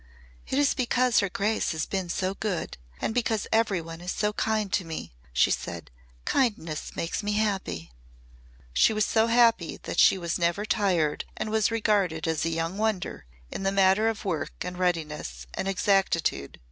"It is because her grace has been so good and because every one is so kind to me," she said. "Kindness makes me happy." She was so happy that she was never tired and was regarded as a young wonder in the matter of work and readiness and exactitude.